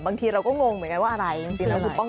บางทีเราก็งงเหมือนกันว่าอะไรจริง